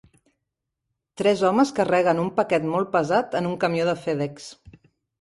Tres homes carreguen a un paquet molt pesat en un camió de fedEx